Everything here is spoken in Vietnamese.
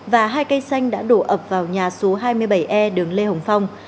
và hai cây xanh đã đổ ập vào nhà số hai mươi bảy e đường lê hồng phong